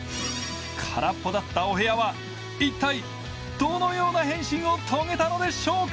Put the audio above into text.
空っぽだったお部屋は一体どのような変身を遂げたのでしょうか？